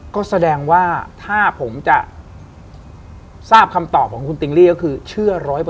ก็แสดงว่าถ้าผมจะทราบคำตอบของคุณติ๊งลี่ก็คือเชื่อ๑๐๐